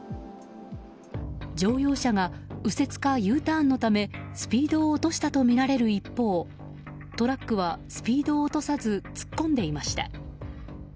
乗用車が右折かＵターンのためスピードを落としたとみられる一方トラックはスピードを落とさず突っ込んでいました。